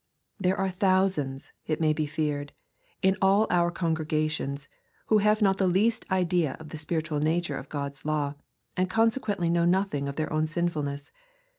There are thousands, it may be fi ared, in all our congregations, who have not the least idea of tlie spiritual nature of God's law, and con sequently know nothing of their own sinfulness.